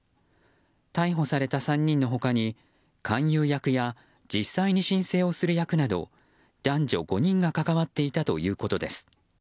逮捕された３人の他に勧誘役や実際に申請をする役など男女５人が関わっていたということです。